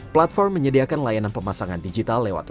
platform menyediakan layanan pemasangan digital lewat online